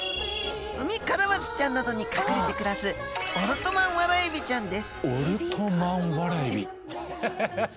ウミカラマツちゃんなどに隠れて暮らすオルトマンワラエビ？ハハハ！